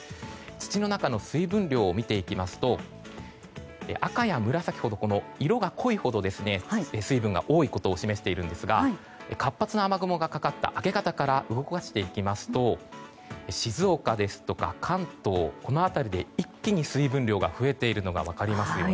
土の中の水分量を見ていきますと赤や紫ほど色が濃いほど水分が多いことを示していますが活発な雨雲がかかった明け方から動かしていきますと静岡ですとか関東この辺りで一気に水分量が増えているのが分かりますね。